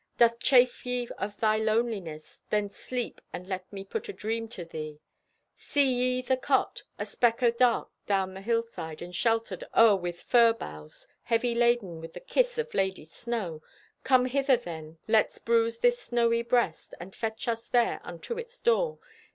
Doth chafe ye of thy loneliness? Then sleep and let me put a dream to thee. See ye the cot— A speck o' dark adown the hillside, And sheltered o'er with fir bows, Heavy laden with the kiss of Lady Snow? Come hither then. Let's bruise this snowy breast, And fetch us there unto its door.